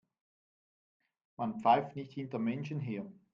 Man pfeift nicht hinter Menschen her.